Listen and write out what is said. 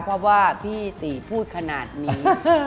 เพราะว่าพี่ตีพูดขนาดนี้